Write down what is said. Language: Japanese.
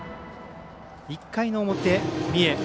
１回の表、三重。